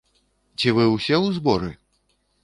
Ці вы ўсе у зборы?